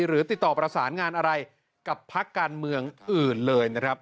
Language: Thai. หรือติดต่อประสานงานอะไรกับพักการเมืองอื่นเลยนะครับ